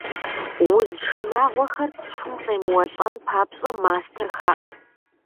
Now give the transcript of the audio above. Уз шынагъуэхэр цӀыхум къемыуэлӀэн папщӀэ, мастэ хаӏу.